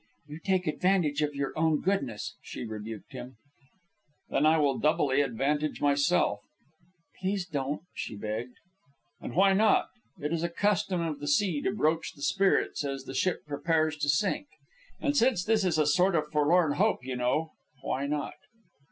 "You take advantage of your own goodness," she rebuked him. "Then I will doubly advantage myself." "Please don't," she begged. "And why not? It is a custom of the sea to broach the spirits as the ship prepares to sink. And since this is a sort of a forlorn hope, you know, why not?" "But